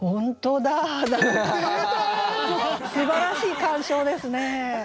すばらしい鑑賞ですね。